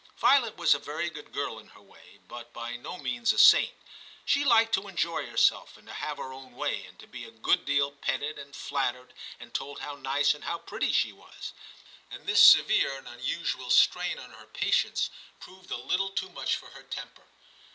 Violet was a very good girl in her way, but by no means a saint ; she liked to enjoy herself, and to have her own way, and to be a good deal petted and flattered, and told how nice and how pretty she was ; and this severe and unusual strain on her patience proved a little 256 TIM CHAP. too much for her temper.